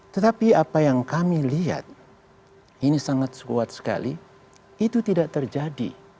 tetapi apa yang kami lihat ini sangat kuat sekali itu tidak terjadi